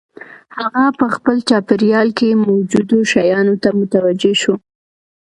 هغه په خپل چاپېريال کې موجودو شيانو ته متوجه شو.